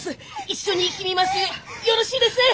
一緒にいきみますよよろしいですね！